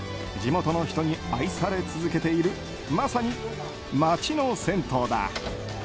地元の人に愛され続けているまさに町の銭湯だ。